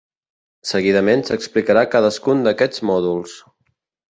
Seguidament s'explicarà cadascun d'aquests mòduls.